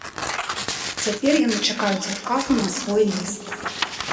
Цяпер яны чакаюць адказу на свой ліст.